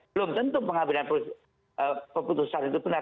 belum tentu pengambilan keputusan itu benar